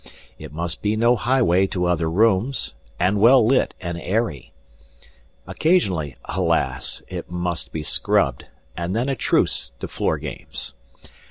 It must be no highway to other rooms, and well lit and airy. Occasionally, alas! it must be scrubbed and then a truce to Floor Games.